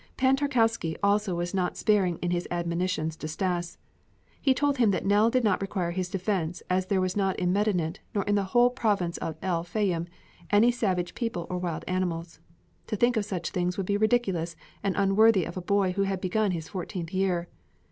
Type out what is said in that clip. Pan Tarkowski also was not sparing in his admonitions to Stas. He told him that Nell did not require his defense as there was not in Medinet nor in the whole province of El Fayûm any savage people or wild animals. To think of such things would be ridiculous and unworthy of a boy who had begun his fourteenth year.